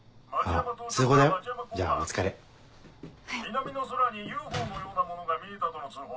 南の空にＵＦＯのようなものが見えたとの通報。